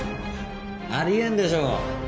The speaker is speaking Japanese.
ありえんでしょう